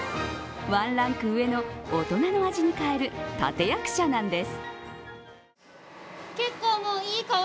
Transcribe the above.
ワンランク上の大人の味に変える立て役者なんです。